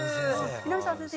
南澤先生